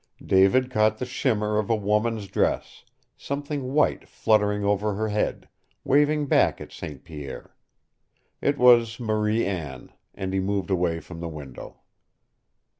David caught the shimmer of a woman's dress, something white fluttering over her head, waving back at St. Pierre. It was Marie Anne, and he moved away from the window.